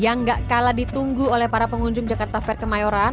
yang gak kalah ditunggu oleh para pengunjung jakarta fair kemayoran